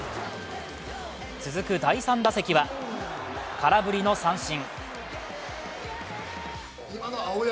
続く第３打席は空振りの三振。